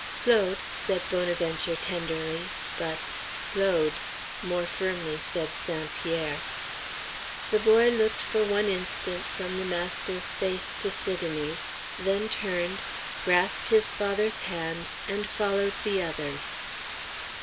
"Claude," said Bonaventure tenderly; but "Claude," more firmly said St. Pierre. The boy looked for one instant from the master's face to Sidonie's; then turned, grasped his father's hand, and followed the others.